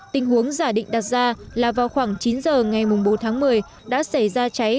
tình huống giả định đặt ra là vào khoảng chín giờ ngày bốn tháng một mươi đã xảy ra cháy